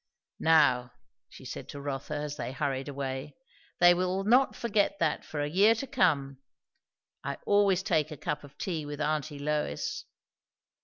"Now," she said to Rotha as they hurried away, "they will not forget that for a year to come. I always take a cup of tea with aunty Lois."